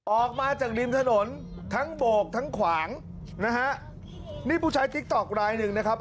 ออกมาจากริมถนนทั้งโบกทั้งขวางนะฮะนี่ผู้ใช้ติ๊กต๊อกลายหนึ่งนะครับ